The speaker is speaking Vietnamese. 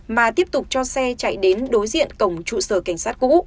mà tiếp tục cho xe chạy đến đối diện cổng trụ sở cảnh sát cũ